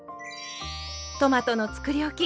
トマトのつくりおき